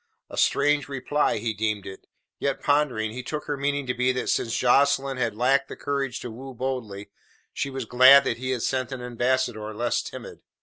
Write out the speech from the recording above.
A strange reply he deemed it, yet, pondering, he took her meaning to be that since Jocelyn had lacked the courage to woo boldly, she was glad that he had sent an ambassador less timid.